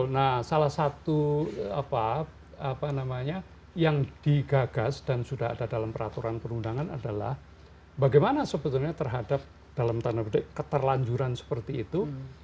nah salah satu apa namanya yang digagas dan sudah ada dalam peraturan perundangan adalah bagaimana sebetulnya terhadap dalam tanda petik keterlanjuran seperti itu